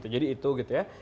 jadi itu gitu ya